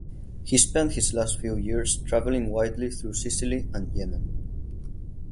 He spent his last few years travelling widely through Sicily and Yemen.